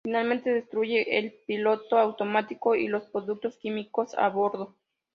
Finalmente destruye el piloto automático y los productos químicos a bordo.